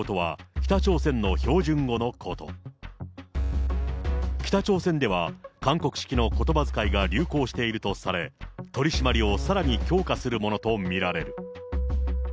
北朝鮮では、韓国式のことば遣いが流行されているとされ、取締りをさらに強化するものと見られる。